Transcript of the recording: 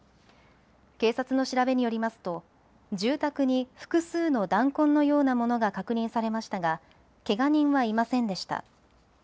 警察の調べによりますと住宅に複数の弾痕のようなものが確認されましたがけが人はいませんでした。